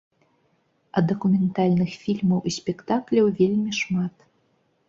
А дакументальных фільмаў і спектакляў вельмі шмат.